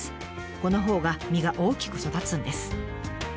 このほうが実が大きく育つんです。